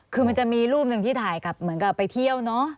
คือมันจะมีรูปหนึ่งที่ถ่ายกับเหมือนกับไปเที่ยวเนอะ